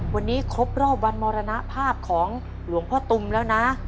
วันนี้ครบรอบวันมรณภาพของหลวงพ่อตุมแล้วนะ